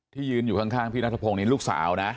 ยืนอยู่ข้างพี่นัทพงศ์นี่ลูกสาวนะ